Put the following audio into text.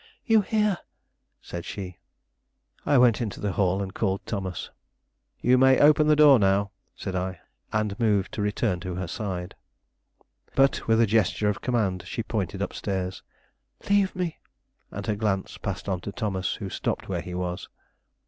"You hear!" said she. I went into the hall and called Thomas. "You may open the door now," said I, and moved to return to her side. But, with a gesture of command, she pointed up stairs. "Leave me!" and her glance passed on to Thomas, who stopped where he was.